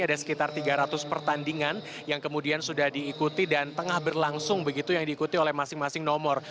ada sekitar tiga ratus pertandingan yang kemudian sudah diikuti dan tengah berlangsung begitu yang diikuti oleh masing masing nomor